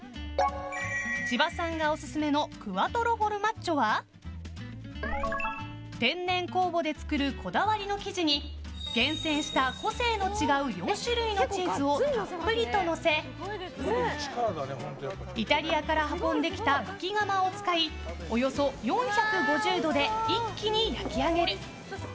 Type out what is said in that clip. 千葉さんがオススメのクアトロフォルマッジョは天然酵母で作るこだわりの生地に厳選した個性の違う４種類のチーズをたっぷりとのせイタリアから運んできたまき窯を使いおよそ４５０度で一気に焼き上げる。